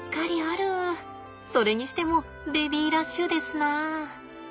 それにしてもベビーラッシュですな。